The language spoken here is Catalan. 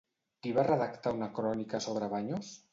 Qui va redactar una crònica sobre Baños?